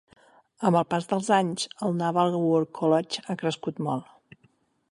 Amb el pas dels anys, el Naval War College ha crescut molt.